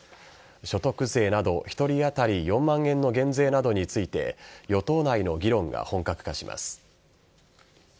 所得税など１人当たり４万円の減税などについて与党内の議論が本格化します。